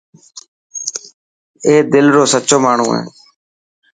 اي دل رو سچو ماڻهو هي.